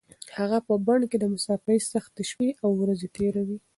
هغه په بن کې د مسافرۍ سختې شپې او ورځې تېروي.